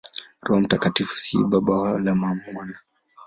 Roho Mtakatifu si Baba wala Mwana.